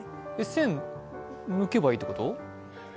栓、抜けばいいってこと？